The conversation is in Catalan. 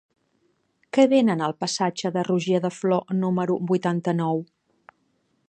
Què venen al passatge de Roger de Flor número vuitanta-nou?